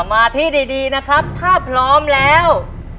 มาที่ดีนะครับถ้าพร้อมแล้ว